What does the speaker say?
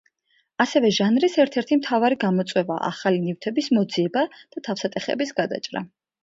ასევე ჟანრის ერთ-ერთი მთავარი გამოწვევაა ახალი ნივთების მოძიება და თავსატეხების გადაჭრა.